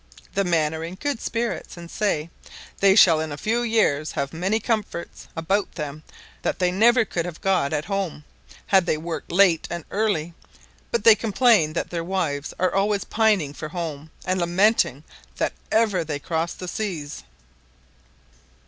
The men are in good spirits, and say "they shall in a few years have many comforts about them that they never could have got at home, had they worked late and early; but they complain that their wives are always pining for home, and lamenting that ever they crossed the seas."